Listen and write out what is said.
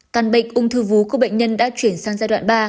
căn bệnh ung thư vú của bệnh nhân đã chuyển sang giai đoạn ba